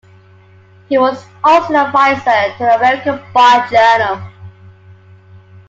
He was also an advisor to the "American Bar Journal".